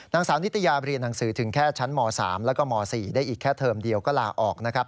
นางสาวนิตยาเรียนหนังสือถึงแค่ชั้นม๓แล้วก็ม๔ได้อีกแค่เทอมเดียวก็ลาออกนะครับ